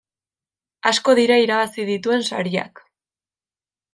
Asko dira irabazi dituen sariak.